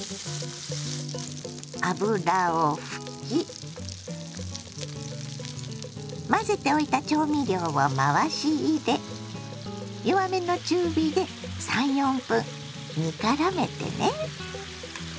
油を拭き混ぜておいた調味料を回し入れ弱めの中火で３４分煮からめてね。